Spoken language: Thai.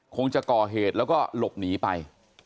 คงจะก่อเหตุแล้วก็หลบหนีไป